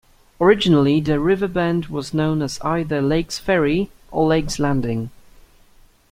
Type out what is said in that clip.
Originally, the river bend was known as either Lake's Ferry or Lake's Landing.